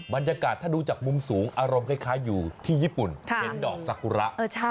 บรรยากาศถ้าดูจากมุมสูงอารมณ์คล้ายอยู่ที่ญี่ปุ่นเห็นดอกซากุระ